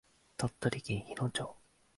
鳥取県日野町